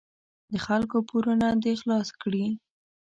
د خلکو پورونه دې خلاص کړي.